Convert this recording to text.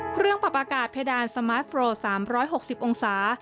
เครื่องปรับอากาศเพดานสมาร์ทโฟร์๓๖๐องศา